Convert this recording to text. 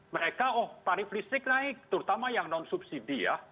mereka tarif listrik naik terutama yang non subsidi